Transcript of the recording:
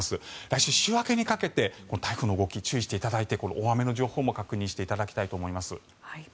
来週、週明けにかけて台風の動きに注意していただいて大雨の情報も確認していただきたいと思います。